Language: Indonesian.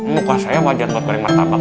muka saya wajar buat kering martabak